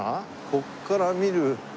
ここから見る。